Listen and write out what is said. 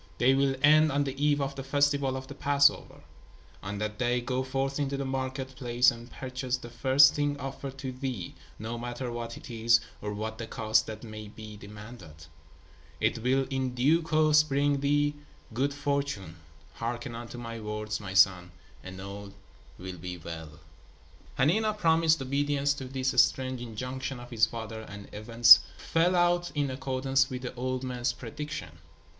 They will end on the eve of the festival of the Passover. On that day go forth into the market place and purchase the first thing offered to thee, no matter what it is, or what the cost that may be demanded. It will in due course bring thee good fortune. Hearken unto my words, my son, and all will be well." [Illustration: Hanina and his wife followed the giant frog. (Page 255).] Hanina promised obedience to this strange injunction of his father, and events fell out in accordance with the old man's prediction.